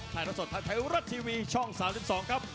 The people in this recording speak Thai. ไทยรัดสดไทยรัดทีวีช่อง๓๒ครับ